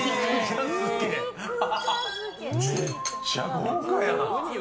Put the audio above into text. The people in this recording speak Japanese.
めっちゃ豪華やん。